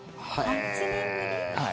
８年ぶり。